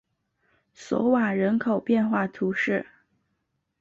索瓦人口变化图示